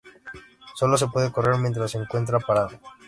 Sólo se puede correr mientras se encuentre parado.